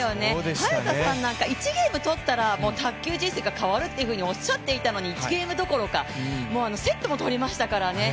早田さんなんて１ゲームとったらもう卓球人生が変わるっておっしゃっていたのに１ゲームどころかセットも取りましたからね。